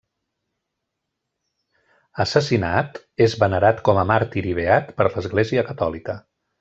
Assassinat, és venerat com a màrtir i beat per l'Església catòlica.